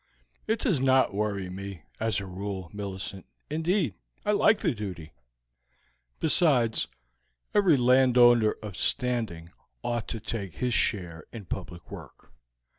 "It does not worry me, as a rule, Millicent; indeed, I like the duty. Besides, every landowner of standing ought to take his share in public work.